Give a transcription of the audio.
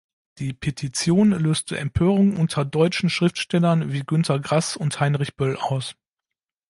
Die Petition löste Empörung unter deutschen Schriftstellern wie Günter Grass und Heinrich Böll aus.